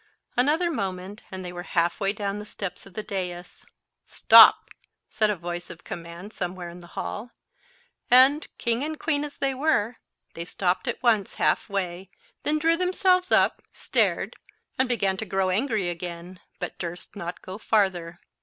Another moment, and they were half way down the steps of the dais. "Stop!" said a voice of command from somewhere in the hall, and, king and queen as they were, they stopped at once half way, then drew themselves up, stared, and began to grow angry again, but durst not go farther.